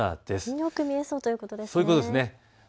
よく見えそうということですね。